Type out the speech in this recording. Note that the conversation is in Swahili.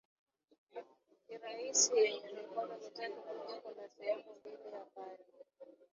kiraisi yenye mikono mitatu Bunge kuna sehemu mbili ambayo